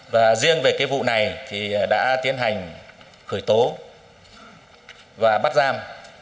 và riêng về cái vụ này thì đã tiến hành khởi tố và bắt giam